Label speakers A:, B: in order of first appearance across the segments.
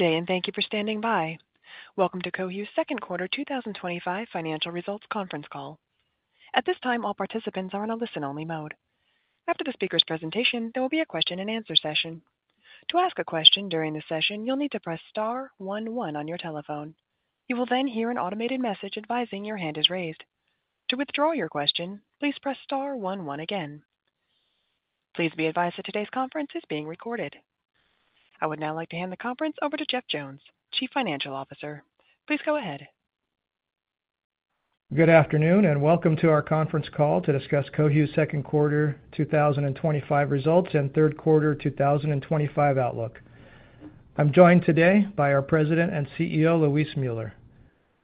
A: Good day and thank you for standing by. Welcome to Cohu's second quarter 2025 financial results conference call. At this time, all participants are in a listen-only mode. After the speaker's presentation, there will be a question and answer session. To ask a question during this session, you'll need to press star one one on your telephone. You will then hear an automated message advising your hand is raised. To withdraw your question, please press star one one again. Please be advised that today's conference is being recorded. I would now like to hand the conference over to Jeff Jones, Chief Financial Officer. Please go ahead.
B: Good afternoon and welcome to our conference call to discuss Cohu's second quarter 2025 results and third quarter 2025 outlook. I'm joined today by our President and CEO, Luis Müller.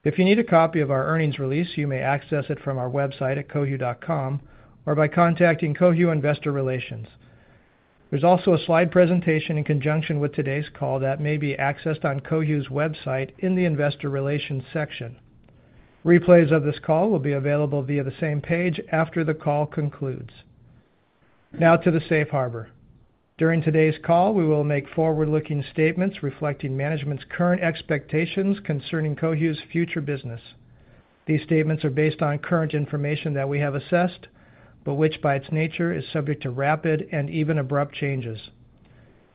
B: If you need a copy of our earnings release, you may access it from our website at cohu.com or by contacting Cohu Investor Relations. There's also a slide presentation in conjunction with today's call that may be accessed on Cohu's website in the Investor Relations section. Replays of this call will be available via the same page after the call concludes. Now to the safe harbor. During today's call, we will make forward-looking statements reflecting management's current expectations concerning Cohu's future business. These statements are based on current information that we have assessed, but which, by its nature, is subject to rapid and even abrupt changes.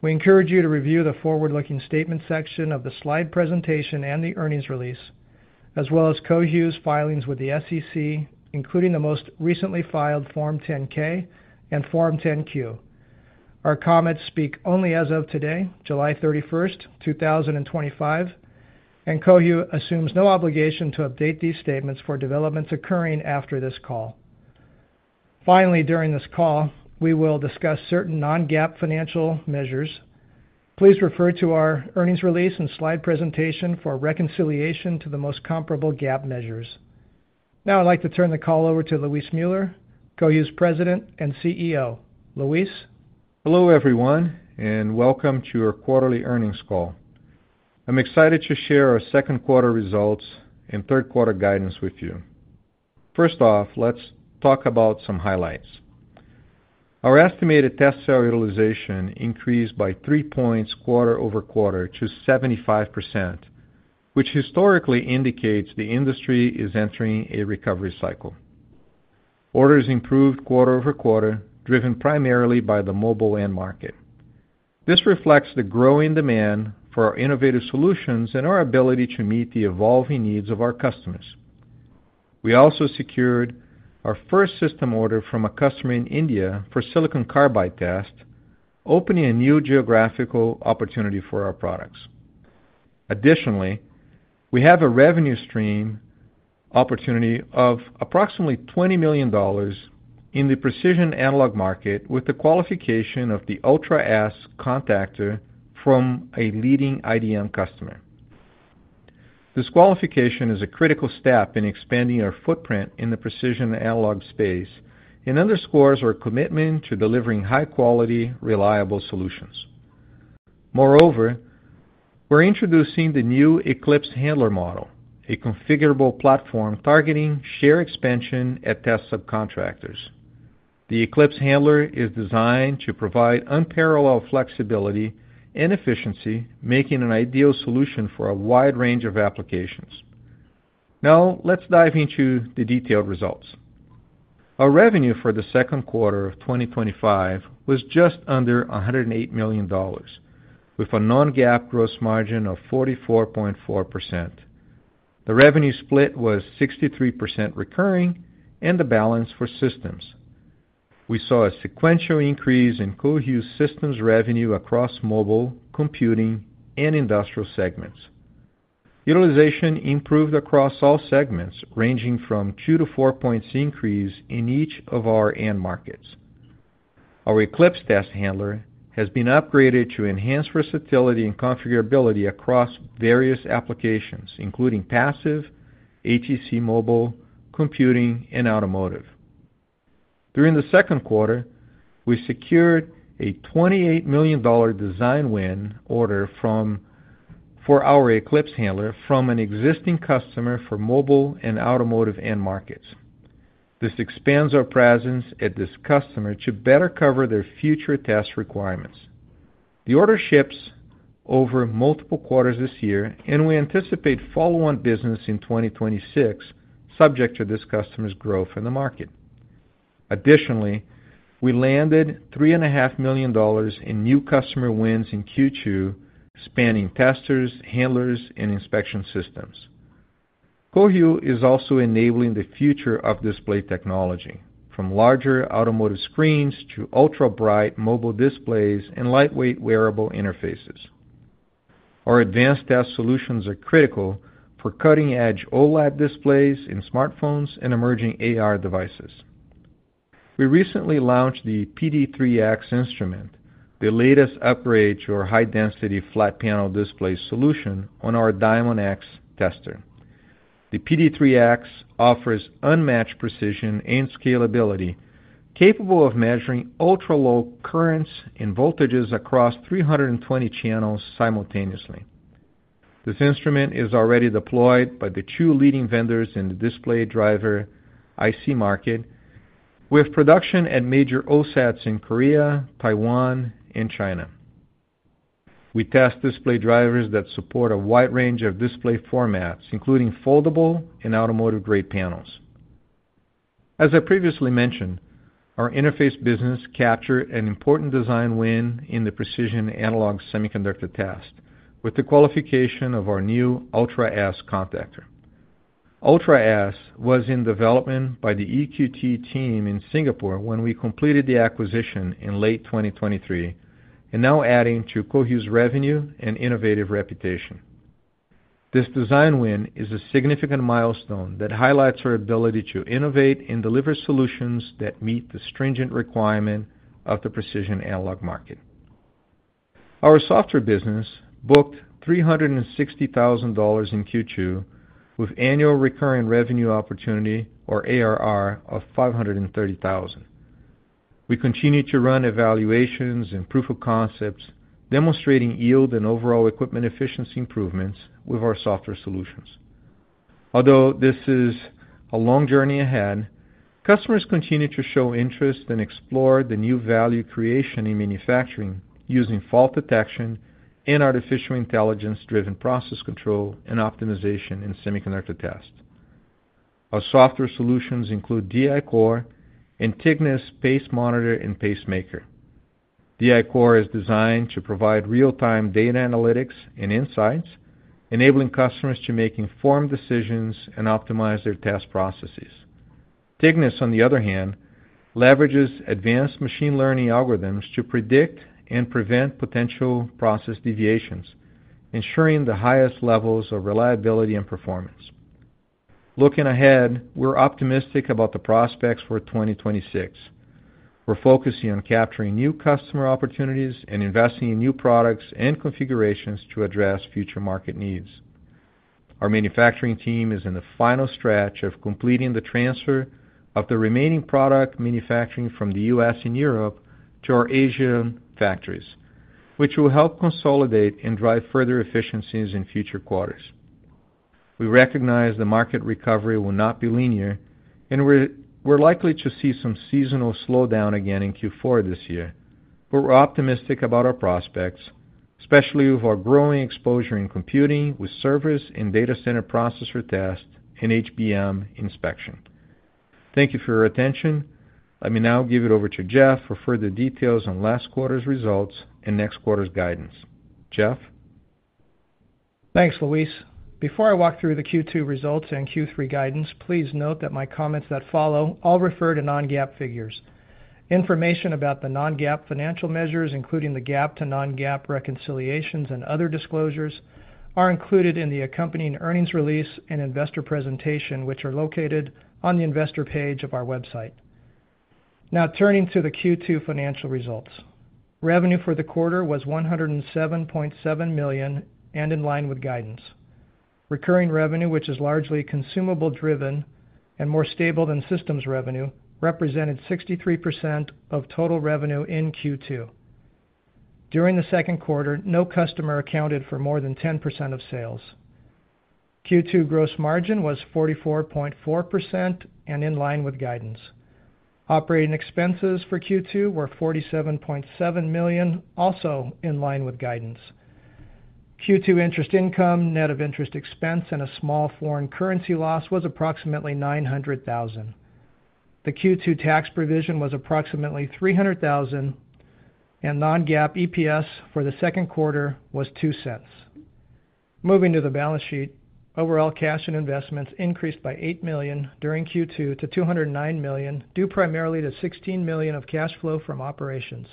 B: We encourage you to review the forward-looking statement section of the slide presentation and the earnings release, as well as Cohu's filings with the SEC, including the most recently filed Form 10-K and Form 10-Q. Our comments speak only as of today, July 31st, 2025, and Cohu assumes no obligation to update these statements for developments occurring after this call. Finally, during this call, we will discuss certain non-GAAP financial measures. Please refer to our earnings release and slide presentation for reconciliation to the most comparable GAAP measures. Now I'd like to turn the call over to Luis Müller, Cohu's President and CEO. Luis.
C: Hello, everyone, and welcome to your quarterly earnings call. I'm excited to share our second quarter results and third quarter guidance with you. First off, let's talk about some highlights. Our estimated test cell utilization increased by three points quarter-over-quarter to 75%, which historically indicates the industry is entering a recovery cycle. Orders improved quarter-over-quarter, driven primarily by the mobile end market. This reflects the growing demand for our innovative solutions and our ability to meet the evolving needs of our customers. We also secured our first system order from a customer in India for silicon carbide test, opening a new geographical opportunity for our products. Additionally, we have a revenue stream opportunity of approximately $20 million in the precision analog market with the qualification of the ULTRA-S contactor from a leading IDM customer. This qualification is a critical step in expanding our footprint in the precision analog space and underscores our commitment to delivering high-quality, reliable solutions. Moreover, we're introducing the new Eclipse Handler model, a configurable platform targeting share expansion at test subcontractors. The Eclipse Handler is designed to provide unparalleled flexibility and efficiency, making it an ideal solution for a wide range of applications. Now, let's dive into the detailed results. Our revenue for the second quarter of 2025 was just under $108 million, with a non-GAAP gross margin of 44.4%. The revenue split was 63% recurring and the balance for systems. We saw a sequential increase in Cohu's systems revenue across mobile, computing, and industrial segments. Utilization improved across all segments, ranging from 2 to 4 points increase in each of our end markets. Our Eclipse Handler has been upgraded to enhance versatility and configurability across various applications, including passive, ATC mobile, computing, and automotive. During the second quarter, we secured a $28 million design win order for our Eclipse Handler from an existing customer for mobile and automotive end markets. This expands our presence at this customer to better cover their future test requirements. The order ships over multiple quarters this year, and we anticipate follow-on business in 2026, subject to this customer's growth in the market. Additionally, we landed $3.5 million in new customer wins in Q2, spanning testers, handlers, and inspection systems. Cohu is also enabling the future of display technology, from larger automotive screens to ultra-bright mobile displays and lightweight wearable interfaces. Our advanced test solutions are critical for cutting-edge OLED displays in smartphones and emerging AR devices. We recently launched the PD3x instrument, the latest upgrade to our high-density flat panel display solution on our Diamondx tester. The PD3x offers unmatched precision and scalability, capable of measuring ultra-low currents and voltages across 320 channels simultaneously. This instrument is already deployed by the two leading vendors in the display driver IC market, with production at major OSATs in Korea, Taiwan, and China. We test display drivers that support a wide range of display formats, including foldable and automotive-grade panels. As I previously mentioned, our interface business captured an important design win in the precision analog semiconductor test, with the qualification of our new ULTRA-S contactor. ULTRA-S was in development by the EQT team in Singapore when we completed the acquisition in late 2023, and now adding to Cohu's revenue and innovative reputation. This design win is a significant milestone that highlights our ability to innovate and deliver solutions that meet the stringent requirement of the precision analog market. Our software business booked $360,000 in Q2, with annual recurring revenue opportunity, or ARR, of $530,000. We continue to run evaluations and proof of concepts, demonstrating yield and overall equipment efficiency improvements with our software solutions. Although this is a long journey ahead, customers continue to show interest and explore the new value creation in manufacturing using fault detection and artificial intelligence-driven process control and optimization in semiconductor tests. Our software solutions include DI-Core, and Tignis PAICe Monitor, and Pacemaker. DI-Core is designed to provide real-time data analytics and insights, enabling customers to make informed decisions and optimize their test processes. Tignis, on the other hand, leverages advanced machine learning algorithms to predict and prevent potential process deviations, ensuring the highest levels of reliability and performance. Looking ahead, we're optimistic about the prospects for 2026. We're focusing on capturing new customer opportunities and investing in new products and configurations to address future market needs. Our manufacturing team is in the final stretch of completing the transfer of the remaining product manufacturing from the U.S. and Europe to our Asian factories, which will help consolidate and drive further efficiencies in future quarters. We recognize the market recovery will not be linear, and we're likely to see some seasonal slowdown again in Q4 this year, but we're optimistic about our prospects, especially with our growing exposure in computing with service and data center processor tests and HBM inspection. Thank you for your attention. Let me now give it over to Jeff for further details on last quarter's results and next quarter's guidance. Jeff?
B: Thanks, Luis. Before I walk through the Q2 results and Q3 guidance, please note that my comments that follow all refer to non-GAAP figures. Information about the non-GAAP financial measures, including the GAAP to non-GAAP reconciliations and other disclosures, are included in the accompanying earnings release and investor presentation, which are located on the investor page of our website. Now, turning to the Q2 financial results. Revenue for the quarter was $107.7 million, and in line with guidance. Recurring revenue, which is largely consumable-driven and more stable than systems revenue, represented 63% of total revenue in Q2. During the second quarter, no customer accounted for more than 10% of sales. Q2 gross margin was 44.4%, and in line with guidance. Operating expenses for Q2 were $47.7 million, also in line with guidance. Q2 interest income, net of interest expense, and a small foreign currency loss was approximately $900,000. The Q2 tax provision was approximately $300,000, and non-GAAP EPS for the second quarter was $0.02. Moving to the balance sheet, overall cash and investments increased by $8 million during Q2 to $209 million, due primarily to $16 million of cash flow from operations.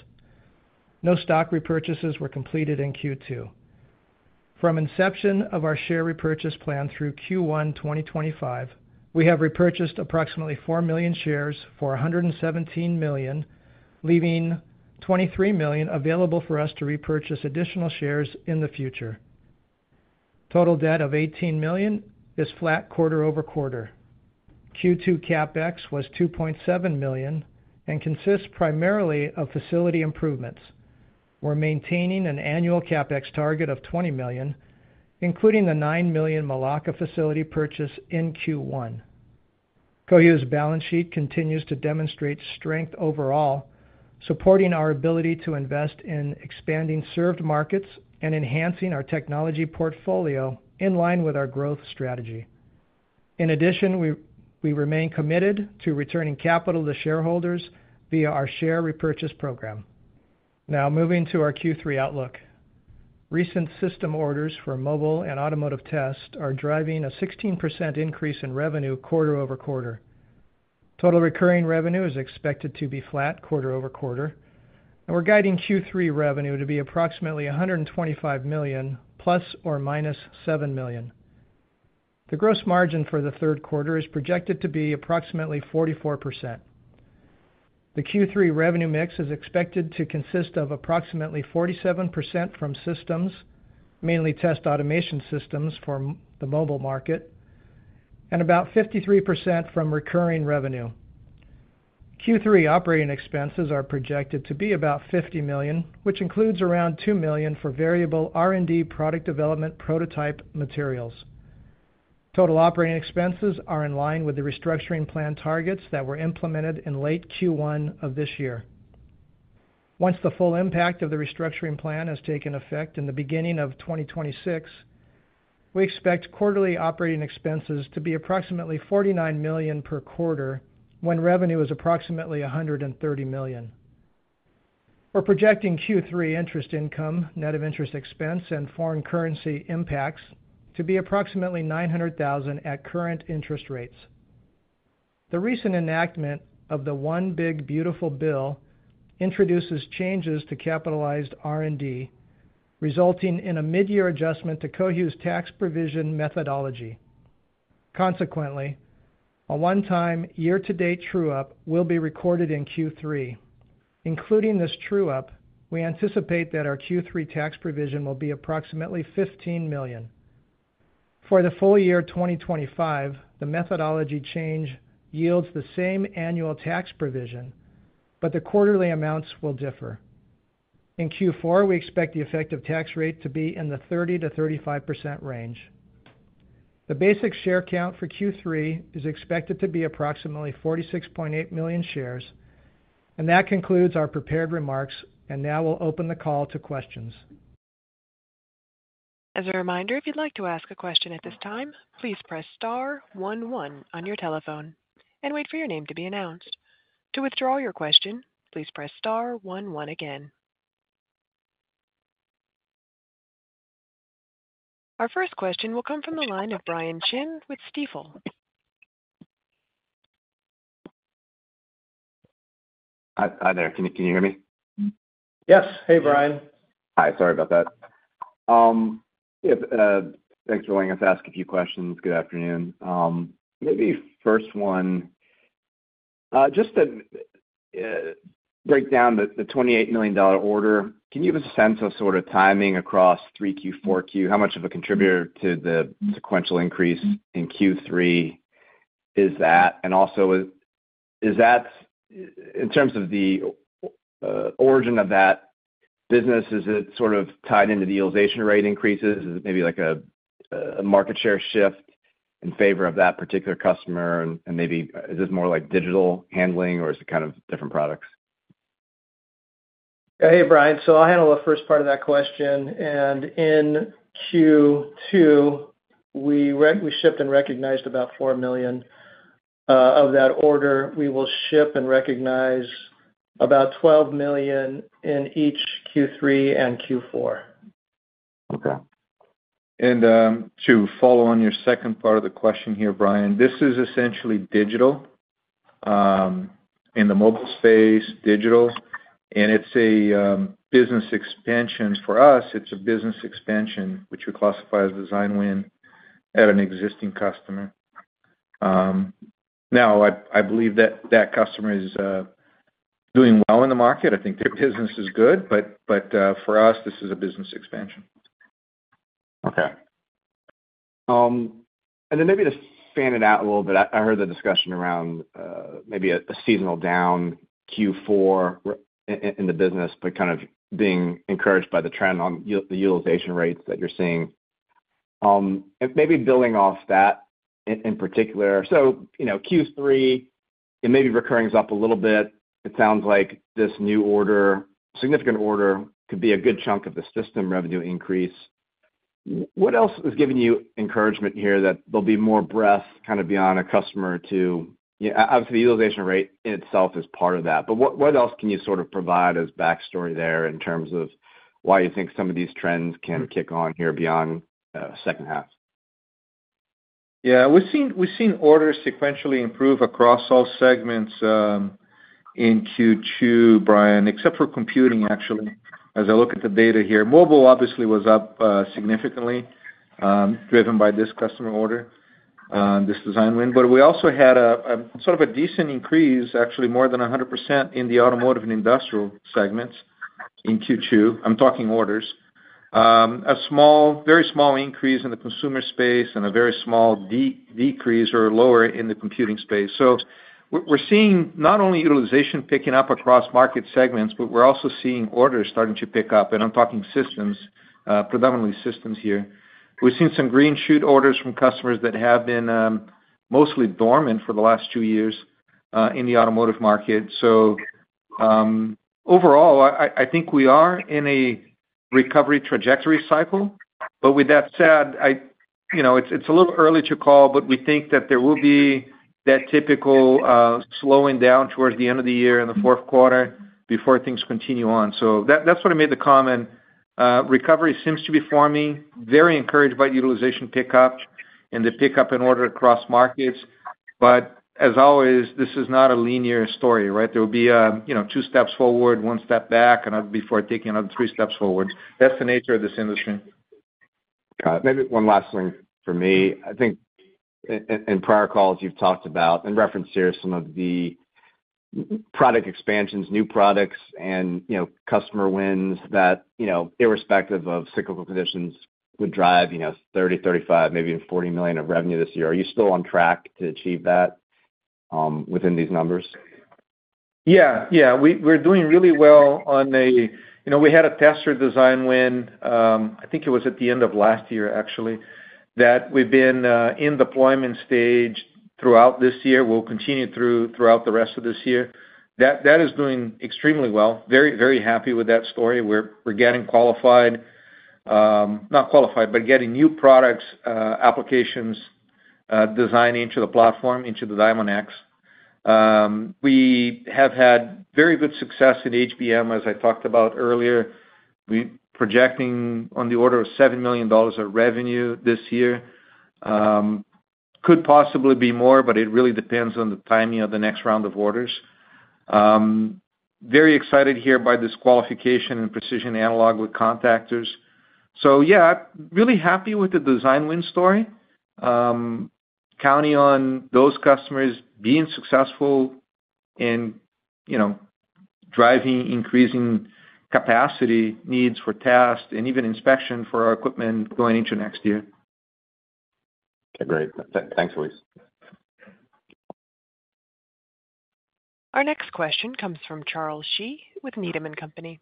B: No stock repurchases were completed in Q2. From inception of our share repurchase plan through Q1 2025, we have repurchased approximately 4 million shares for $117 million, leaving $23 million available for us to repurchase additional shares in the future. Total debt of $18 million is flat quarter-over-quarter. Q2 CapEx was $2.7 million and consists primarily of facility improvements. We're maintaining an annual CapEx target of $20 million, including the $9 million Melaka facility purchase in Q1. Cohu's balance sheet continues to demonstrate strength overall, supporting our ability to invest in expanding served markets and enhancing our technology portfolio in line with our growth strategy. In addition, we remain committed to returning capital to shareholders via our share repurchase program. Now, moving to our Q3 outlook. Recent system orders for mobile and automotive tests are driving a 16% increase in revenue quarter over quarter. Total recurring revenue is expected to be flat quarter over quarter, and we're guiding Q3 revenue to be approximately $125 million, ±$7 million. The gross margin for the third quarter is projected to be approximately 44%. The Q3 revenue mix is expected to consist of approximately 47% from systems, mainly test automation systems for the mobile market, and about 53% from recurring revenue. Q3 operating expenses are projected to be about $50 million, which includes around $2 million for variable R&D product development prototype materials. Total operating expenses are in line with the restructuring plan targets that were implemented in late Q1 of this year. Once the full impact of the restructuring plan has taken effect in the beginning of 2026, we expect quarterly operating expenses to be approximately $49 million per quarter when revenue is approximately $130 million. We're projecting Q3 interest income, net of interest expense, and foreign currency impacts to be approximately $900,000 at current interest rates. The recent enactment of the One Big Beautiful Bill introduces changes to capitalized R&D, resulting in a mid-year adjustment to Cohu's tax provision methodology. Consequently, a one-time year-to-date true-up will be recorded in Q3. Including this true-up, we anticipate that our Q3 tax provision will be approximately $15 million. For the full year 2025, the methodology change yields the same annual tax provision, but the quarterly amounts will differ. In Q4, we expect the effective tax rate to be in the 30%-35% range. The basic share count for Q3 is expected to be approximately 46.8 million shares. That concludes our prepared remarks, and now we'll open the call to questions.
A: As a reminder, if you'd like to ask a question at this time, please press star one one on your telephone and wait for your name to be announced. To withdraw your question, please press star one one again. Our first question will come from the line of Brian Chin with Stifel.
D: Hi there, can you hear me?
C: Yes. Hey, Brian.
D: Hi. Sorry about that. Yeah, thanks for letting us ask a few questions. Good afternoon. Maybe first one, just to break down the $28 million order, can you give us a sense of sort of timing across 3Q, 4Q? How much of a contributor to the sequential increase in Q3 is that? Also, is that in terms of the origin of that business, is it sort of tied into the utilization rate increases? Is it maybe like a market share shift in favor of that particular customer? Maybe is this more like digital handling, or is it kind of different products?
B: Hey, Brian. I'll handle the first part of that question. In Q2, we shipped and recognized about $4 million of that order. We will ship and recognize about $12 million in each Q3 and Q4.
C: Okay. To follow on your second part of the question here, Brian, this is essentially digital in the mobile space, digital, and it's a business expansion. For us, it's a business expansion, which we classify as a design win at an existing customer. I believe that that customer is doing well in the market. I think their business is good, but for us, this is a business expansion.
D: Okay. Maybe to fan it out a little bit, I heard the discussion around maybe a seasonal down Q4 in the business, but kind of being encouraged by the trend on the utilization rates that you're seeing. Maybe building off that in particular. Q3, it may be recurring is up a little bit. It sounds like this new order, significant order, could be a good chunk of the system revenue increase. What else is giving you encouragement here that there'll be more breadth kind of beyond a customer too, obviously, the utilization rate in itself is part of that, but what else can you sort of provide as backstory there in terms of why you think some of these trends can kick on here beyond the second half?
C: Yeah. We've seen orders sequentially improve across all segments in Q2, Brian, except for computing, actually. As I look at the data here, mobile obviously was up significantly, driven by this customer order, this design win. We also had a sort of a decent increase, actually more than 100% in the automotive and industrial segments in Q2. I'm talking orders. A small, very small increase in the consumer space and a very small decrease or lower in the computing space. We're seeing not only utilization picking up across market segments, but we're also seeing orders starting to pick up. I'm talking systems, predominantly systems here. We've seen some green shoot orders from customers that have been mostly dormant for the last two years in the automotive market. Overall, I think we are in a recovery trajectory cycle. With that said, you know, it's a little early to call, but we think that there will be that typical slowing down towards the end of the year in the fourth quarter before things continue on. That's what I made the comment. Recovery seems to be forming, very encouraged by the utilization pickup and the pickup in order across markets. As always, this is not a linear story, right? There will be two steps forward, one step back, before taking another three steps forward. That's the nature of this industry.
D: Got it. Maybe one last thing for me. I think in prior calls, you've talked about and referenced here some of the product expansions, new products, and customer wins that, irrespective of cyclical conditions, would drive $30 million, $35 million, maybe even $40 million of revenue this year. Are you still on track to achieve that within these numbers?
C: Yeah. We're doing really well on a, you know, we had a tester design win, I think it was at the end of last year, actually, that we've been in deployment stage throughout this year. We'll continue throughout the rest of this year. That is doing extremely well. Very, very happy with that story. We're getting new products, applications, designed into the platform, into the Diamondx. We have had very good success at HBM, as I talked about earlier. We're projecting on the order of $7 million of revenue this year. Could possibly be more, but it really depends on the timing of the next round of orders. Very excited here by this qualification and precision analog with contactors. Yeah, really happy with the design win story. Counting on those customers being successful in, you know, driving increasing capacity needs for test and even inspection for our equipment going into next year.
D: Agreed. Thanks, Luis.
A: Our next question comes from Charles Shi with Needham & Company.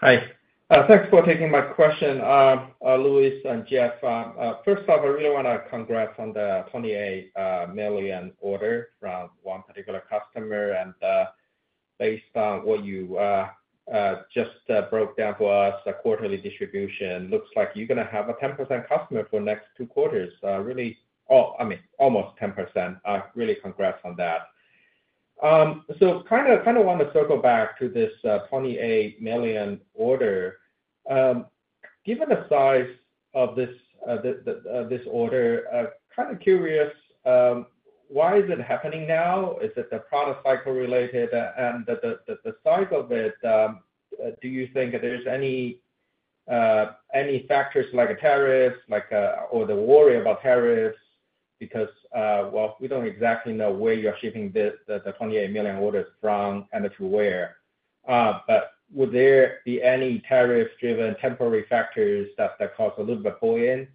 E: Hi. Thanks for taking my question, Luis and Jeff. First off, I really want to congrats on the $28 million order from one particular customer. Based on what you just broke down for us, a quarterly distribution looks like you're going to have a 10% customer for the next two quarters. Really, I mean, almost 10%. Really congrats on that. I kind of want to circle back to this $28 million order. Given the size of this order, I'm kind of curious, why is it happening now? Is it product cycle related? The size of it, do you think there's any factors like a tariff or the worry about tariffs? We don't exactly know where you're shipping the $28 million orders from and to where. Would there be any tariff-driven temporary factors that cause a little bit of buy-in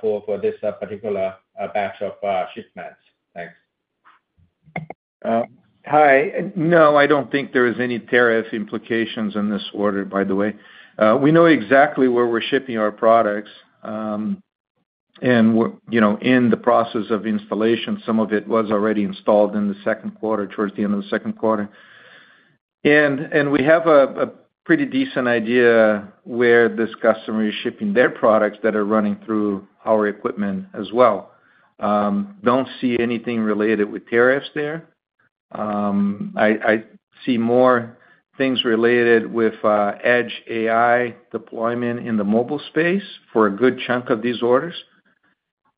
E: for this particular batch of shipments? Thanks.
C: No, I don't think there are any tariff implications in this order, by the way. We know exactly where we're shipping our products. We're in the process of installation. Some of it was already installed in the second quarter, towards the end of the second quarter. We have a pretty decent idea where this customer is shipping their products that are running through our equipment as well. Don't see anything related with tariffs there. I see more things related with Edge AI deployment in the mobile space for a good chunk of these orders.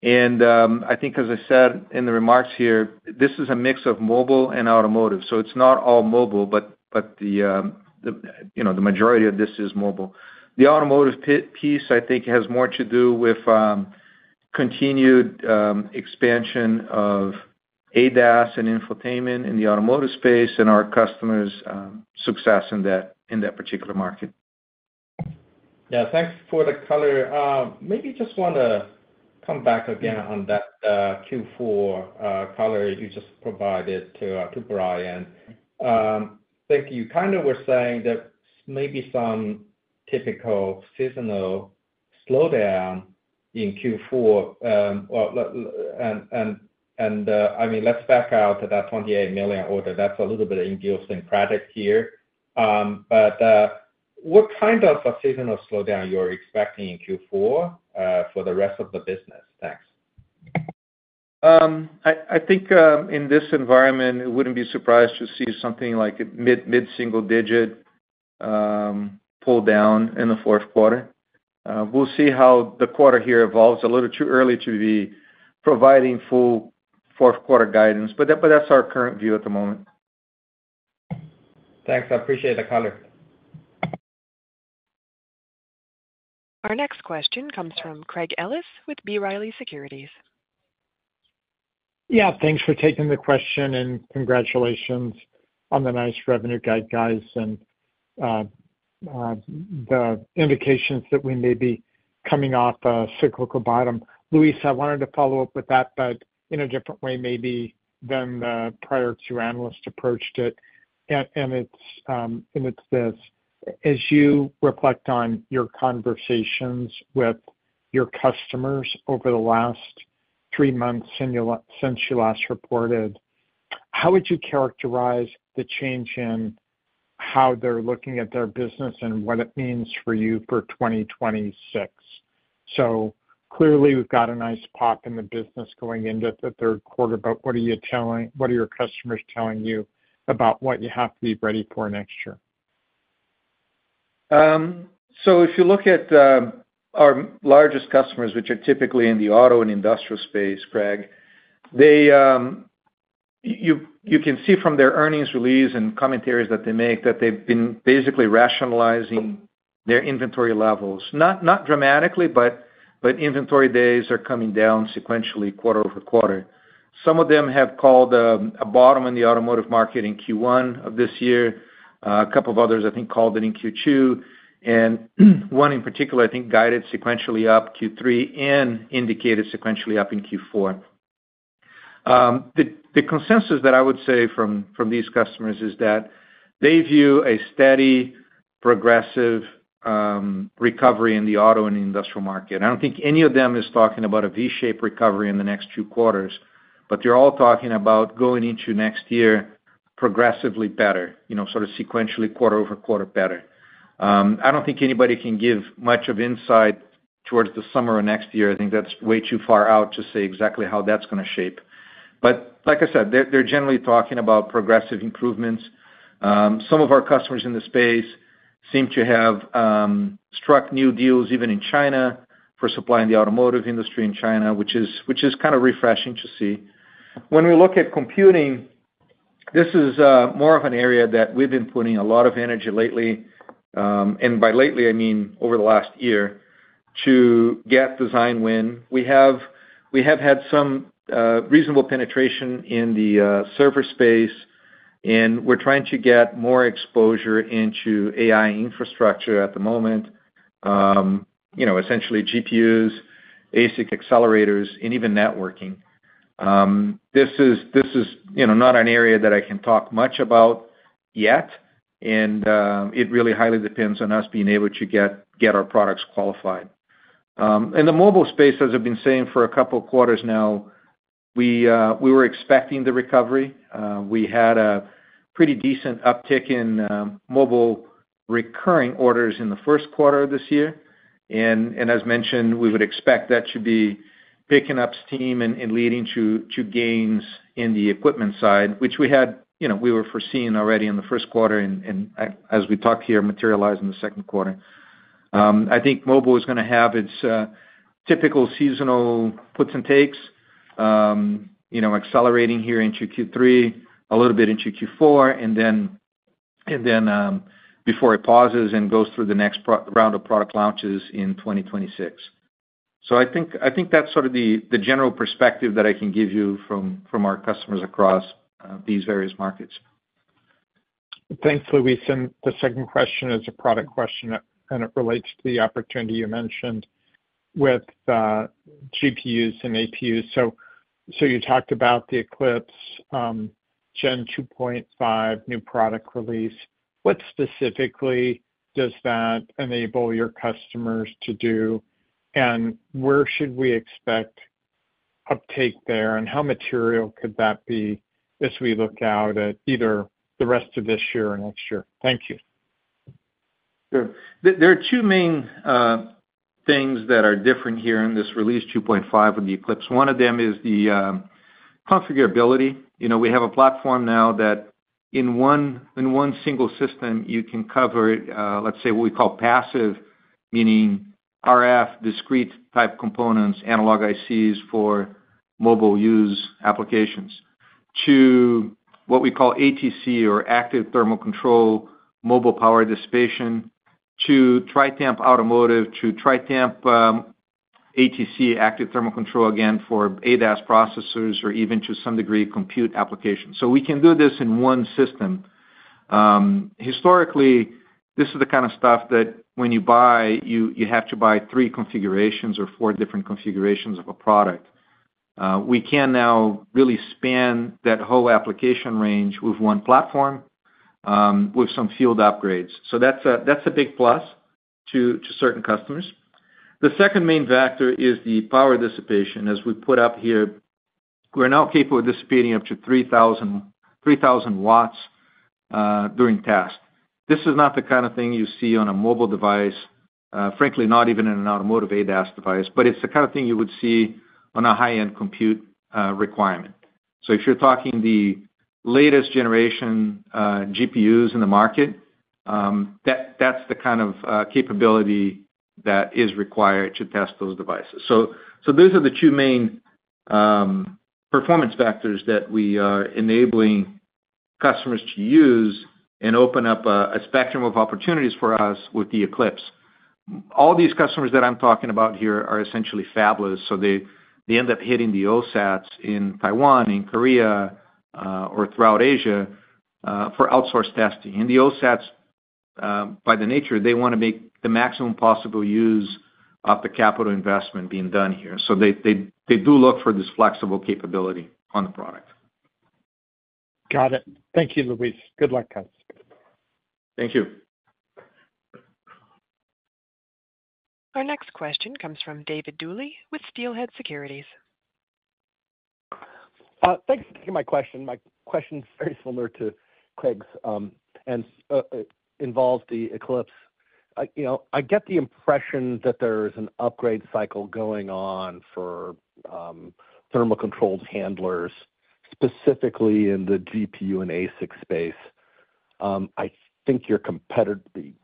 C: I think, as I said in the remarks here, this is a mix of mobile and automotive. It's not all mobile, but the majority of this is mobile. The automotive piece, I think, has more to do with continued expansion of ADAS and infotainment in the automotive space and our customers' success in that particular market.
E: Yeah, thanks for the color. Maybe I just want to come back again on that Q4 color you just provided to Brian. Thank you. You were saying that maybe some typical seasonal slowdown in Q4. I mean, let's back out to that $28 million order. That's a little bit of an engulfing product here. What kind of a seasonal slowdown are you expecting in Q4 for the rest of the business? Thanks.
C: I think in this environment, it wouldn't be surprised to see something like a mid-single-digit pull down in the fourth quarter. We'll see how the quarter here evolves. It's a little too early to be providing full fourth quarter guidance, but that's our current view at the moment.
E: Thanks. I appreciate the color.
A: Our next question comes from Craig Ellis with B. Riley Securities.
F: Yeah, thanks for taking the question and congratulations on the nice revenue guide, guys, and the indications that we may be coming off a cyclical bottom. Luis, I wanted to follow up with that, but in a different way maybe than the prior two analysts approached it. As you reflect on your conversations with your customers over the last three months since you last reported, how would you characterize the change in how they're looking at their business and what it means for you for 2026? Clearly, we've got a nice pop in the business going into the third quarter, but what are your customers telling you about what you have to be ready for next year?
C: If you look at our largest customers, which are typically in the auto and industrial space, Craig, you can see from their earnings release and commentaries that they make that they've been basically rationalizing their inventory levels. Not dramatically, but inventory days are coming down sequentially, quarter over quarter. Some of them have called a bottom in the automotive market in Q1 of this year. A couple of others, I think, called it in Q2. One in particular, I think, guided sequentially up Q3 and indicated sequentially up in Q4. The consensus that I would say from these customers is that they view a steady, progressive recovery in the auto and industrial market. I don't think any of them is talking about a V-shaped recovery in the next two quarters, but they're all talking about going into next year progressively better, you know, sort of sequentially quarter over quarter better. I don't think anybody can give much of insight towards the summer of next year. I think that's way too far out to say exactly how that's going to shape. Like I said, they're generally talking about progressive improvements. Some of our customers in the space seem to have struck new deals even in China for supply in the automotive industry in China, which is kind of refreshing to see. When we look at computing, this is more of an area that we've been putting a lot of energy lately. By lately, I mean over the last year to get design win. We have had some reasonable penetration in the server space, and we're trying to get more exposure into AI infrastructure at the moment, you know, essentially GPUs, ASIC accelerators, and even networking. This is not an area that I can talk much about yet, and it really highly depends on us being able to get our products qualified. In the mobile space, as I've been saying for a couple of quarters now, we were expecting the recovery. We had a pretty decent uptick in mobile recurring orders in the first quarter of this year. As mentioned, we would expect that to be picking up steam and leading to gains in the equipment side, which we had, you know, we were foreseeing already in the first quarter and, as we talked here, materialized in the second quarter. I think mobile is going to have its typical seasonal puts and takes, you know, accelerating here into Q3, a little bit into Q4, and then before it pauses and goes through the next round of product launches in 2026. I think that's sort of the general perspective that I can give you from our customers across these various markets.
F: Thanks, Luis. The second question is a product question, and it relates to the opportunity you mentioned with GPUs and APUs. You talked about the Eclipse Gen 2.5 new product release. What specifically does that enable your customers to do, and where should we expect uptake there, and how material could that be as we look out at either the rest of this year or next year? Thank you.
C: Sure. There are two main things that are different here in this release 2.5 with the Eclipse. One of them is the configurability. We have a platform now that in one single system, you can cover, let's say, what we call passive, meaning RF discrete type components, analog ICs for mobile use applications, to what we call ATC or active thermal control mobile power dissipation, to Tri-temp automotive, to Tri-temp ATC active thermal control, again, for ADAS processors or even, to some degree, compute applications. We can do this in one system. Historically, this is the kind of stuff that when you buy, you have to buy three configurations or four different configurations of a product. We can now really span that whole application range with one platform with some field upgrades. That's a big plus to certain customers. The second main factor is the power dissipation. As we put up here, we're now capable of dissipating up to 3,000 W during tasks. This is not the kind of thing you see on a mobile device, frankly, not even in an automotive ADAS device, but it's the kind of thing you would see on a high-end compute requirement. If you're talking the latest generation GPUs in the market, that's the kind of capability that is required to test those devices. Those are the two main performance factors that we are enabling customers to use and open up a spectrum of opportunities for us with the Eclipse. All these customers that I'm talking about here are essentially fabless. They end up hitting the OSATs in Taiwan, in Korea, or throughout Asia for outsourced testing. The OSATs, by their nature, want to make the maximum possible use of the capital investment being done here. They do look for this flexible capability on the product.
F: Got it. Thank you, Luis. Good luck, guys.
C: Thank you.
A: Our next question comes from David Duley with Steelhead Securities.
G: Thanks for taking my question. My question is very similar to Craig's and involves the Eclipse. I get the impression that there is an upgrade cycle going on for thermal controlled handlers, specifically in the GPU and ASIC space. I think your competitor,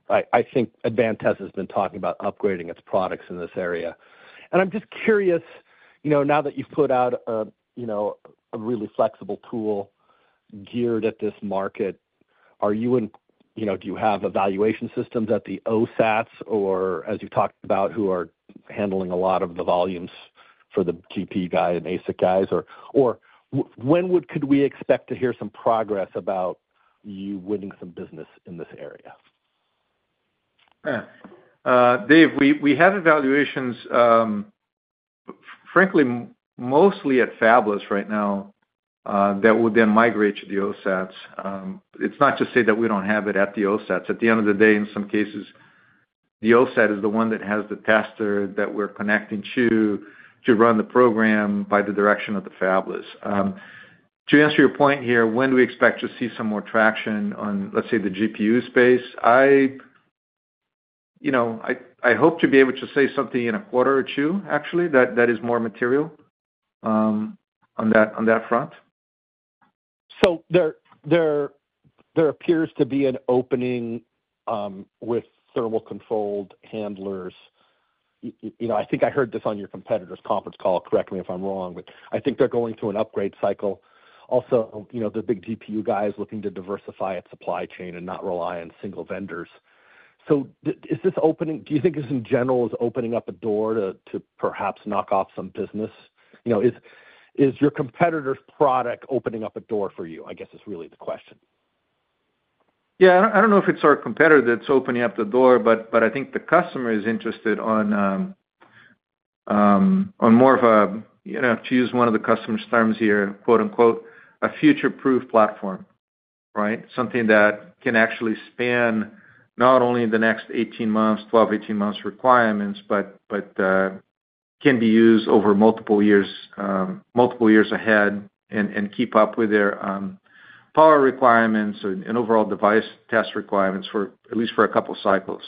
G: I think ADVANTEST has been talking about upgrading its products in this area. I'm just curious, now that you've put out a really flexible tool geared at this market, are you in, do you have evaluation systems at the OSATs, as you talked about, who are handling a lot of the volumes for the GPU guys and ASIC guys? When could we expect to hear some progress about you winning some business in this area?
C: Dave, we have evaluations, frankly, mostly at Fabless right now that would then migrate to the OSATs. It's not to say that we don't have it at the OSATs. At the end of the day, in some cases, the OSAT is the one that has the tester that we're connecting to to run the program by the direction of the fabless. To answer your point here, when do we expect to see some more traction on, let's say, the GPU space? I hope to be able to say something in a quarter or two, actually, that is more material on that front.
G: There appears to be an opening with thermal controlled handlers. I think I heard this on your competitor's conference call. Correct me if I'm wrong, but I think they're going through an upgrade cycle. Also, the big GPU guys looking to diversify its supply chain and not rely on single vendors. Is this opening? Do you think this, in general, is opening up a door to perhaps knock off some business? Is your competitor's product opening up a door for you, I guess, is really the question.
C: I don't know if it's our competitor that's opening up the door, but I think the customer is interested on more of a, you know, to use one of the customer's terms here, "a future-proof platform," right? Something that can actually span not only the next 12, 18 months requirements, but can be used over multiple years ahead, and keep up with their power requirements and overall device test requirements for at least a couple of cycles.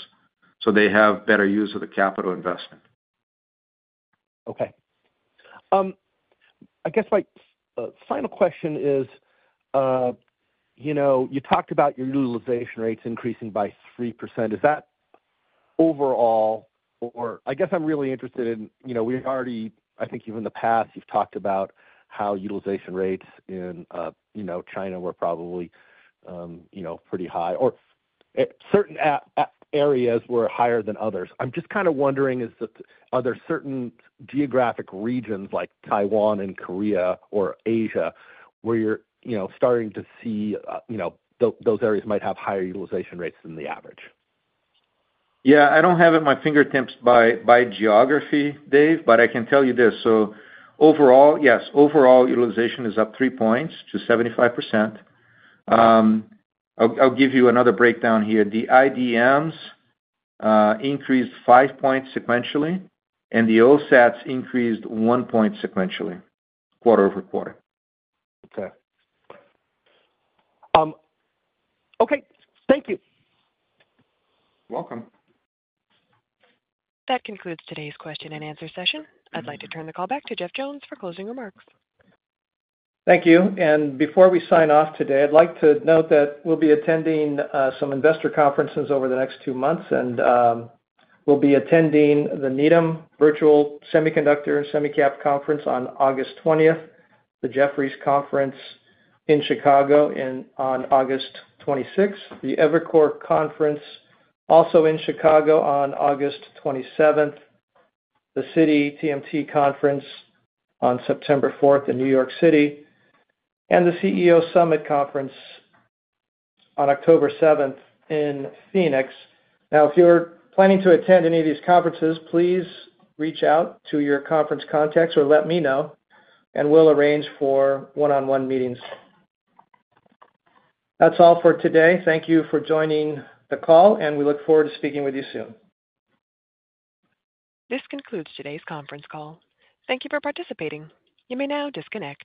C: They have better use of the capital investment.
G: Okay. I guess my final question is, you talked about your utilization rates increasing by 3%. Is that overall, or I guess I'm really interested in, we already, I think even in the past, you've talked about how utilization rates in China were probably pretty high or certain areas were higher than others. I'm just kind of wondering, are there certain geographic regions like Taiwan and Korea or Asia where you're starting to see those areas might have higher utilization rates than the average?
C: I don't have it at my fingertips by geography, Dave, but I can tell you this. Overall utilization is up three points to 75%. I'll give you another breakdown here. The IDMs increased five points sequentially, and the OSATs increased one point sequentially. Quarter-over-quarter.
G: Okay. Okay, thank you.
C: You're welcome.
A: That concludes today's question and answer session. I'd like to turn the call back to Jeff Jones for closing remarks.
B: Thank you. Before we sign off today, I'd like to note that we'll be attending some investor conferences over the next two months. We'll be attending the Needham Virtual Semiconductor Semicap Conference on August 20th, the Jefferies Conference in Chicago on August 26th, the Evercore Conference also in Chicago on August 27th, the Citi TMT Conference on September 4th in New York City, and the CEO Summit Conference on October 7th in Phoenix. If you're planning to attend any of these conferences, please reach out to your conference contacts or let me know, and we'll arrange for one-on-one meetings. That's all for today. Thank you for joining the call, and we look forward to speaking with you soon.
A: This concludes today's conference call. Thank you for participating. You may now disconnect.